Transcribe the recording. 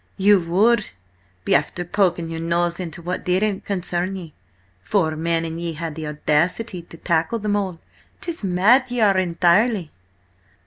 "You would be after poking your nose into what didn't concern ye. Four men, and ye had the audacity to tackle them all? 'Tis mad ye are entirely!"